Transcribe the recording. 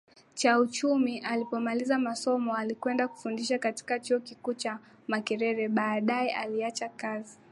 cha uchumi Alipomaliza masomo alikwenda kufundisha katika chuo kikuu cha Makerere Baadaye aliacha kazi